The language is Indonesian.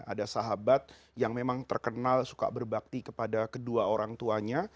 ada sahabat yang memang terkenal suka berbakti kepada kedua orang tuanya